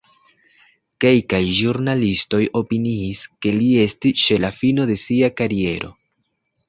Kelkaj ĵurnalistoj opiniis, ke li estis ĉe la fino de sia kariero.